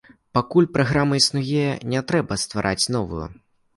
Пакуль праграма існуе, не трэба ствараць новую.